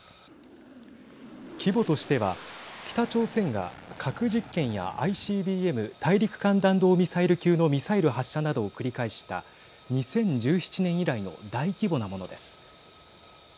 規模としては、北朝鮮が核実験やＩＣＢＭ＝大陸間弾道ミサイル級のミサイル発射などを繰り返した２０１７年以来の大規模なものです。